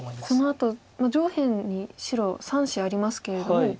そのあと上辺に白３子ありますけれども。